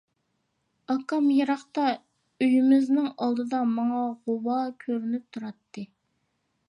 ئاكام يىراقتا-ئۆيىمىزنىڭ ئالدىدا ماڭا غۇۋا كۆرۈنۈپ تۇراتتى.